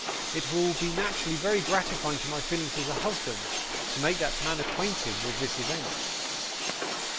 It will be naterally very gratifying to my feelings as a husband, to make that man acquainted with this ewent.